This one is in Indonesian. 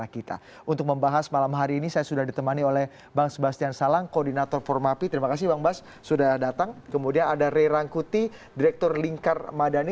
kemudian ada ray rangkuti direktur lingkar madani